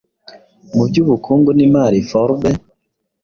mu by'ubukungu n'imari Forbes